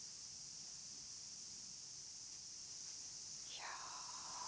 いや。